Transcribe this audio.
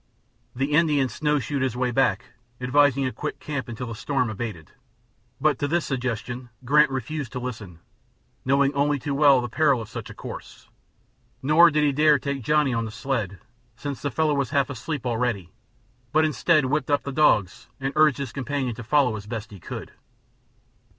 The Indian snowshoed his way back, advising a quick camp until the storm abated, but to this suggestion Grant refused to listen, knowing only too well the peril of such a course. Nor did he dare take Johnny on the sled, since the fellow was half asleep already, but instead whipped up the dogs and urged his companion to follow as best he could.